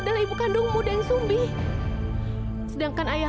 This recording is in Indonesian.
sampai jumpa di video selanjutnya